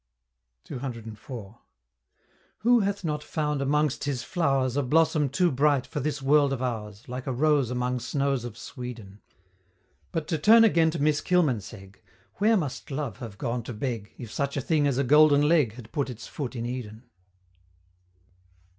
CCIV. Who hath not found amongst his flow'rs A blossom too bright for this world of ours, Like a rose among snows of Sweden? But to turn again to Miss Kilmansegg, Where must Love have gone to beg, If such a thing as a Golden Leg Had put its foot in Eden!